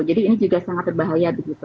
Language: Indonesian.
jadi ini juga sangat berbahaya gitu